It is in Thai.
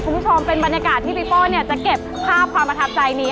คุณผู้ชมเป็นบรรยากาศที่พี่โป้จะเก็บภาพความประทับใจนี้